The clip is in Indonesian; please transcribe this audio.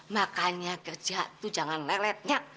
makanya kerja itu jangan lelet nyak